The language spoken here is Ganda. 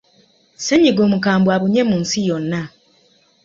Ssennyiga omukambwe abunye mu nsi yonna.